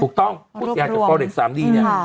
ถูกต้องพูดอย่างเฉพาะเด็กสามดีเนี่ยอืมค่ะ